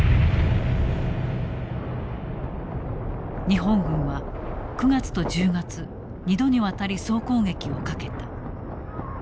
日本軍は９月と１０月２度にわたり総攻撃をかけた。